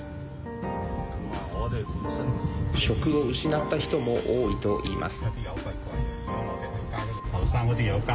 職を失った人も多いといいます。